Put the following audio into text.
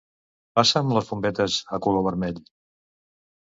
Passa'm les bombetes a color vermell.